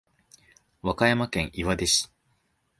和歌山県岩出市